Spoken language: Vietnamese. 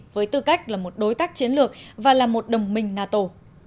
với tư cách là một đối tác chiến lược và là một đồng minh nato